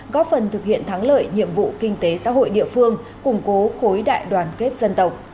góp phần thực hiện thắng lợi nhiệm vụ kinh tế xã hội địa phương củng cố khối đại đoàn kết dân tộc